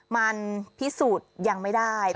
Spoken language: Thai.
มันพิสูจน์ยังไม่ได้